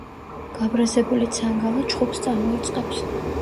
გაბრაზებული ცანგალა ჩხუბს წამოიწყებს.